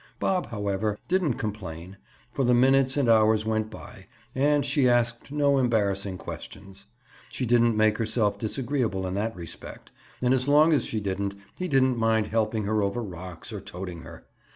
Bob, however, didn't complain, for the minutes and hours went by and she asked no embarrassing questions. She didn't make herself disagreeable in that respect, and as long as she didn't, he didn't mind helping her over rocks, or toting her.